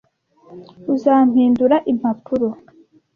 Uzampindura impapuro?